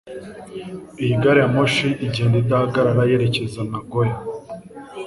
Iyi gari ya moshi igenda idahagarara yerekeza Nagoya.